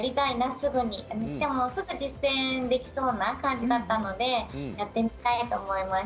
すぐに実践できそうな感じだったので、やってみたいと思います。